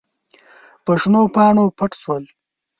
په شنو پاڼو پټ شول.